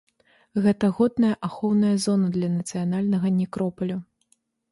Гэта годная ахоўная зона для нацыянальнага некропалю.